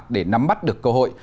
để nắm bắt được cơ hội